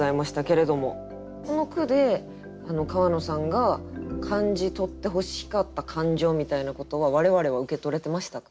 この句で川野さんが感じとってほしかった感情みたいなことは我々は受け取れてましたか？